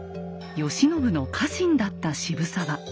慶喜の家臣だった渋沢。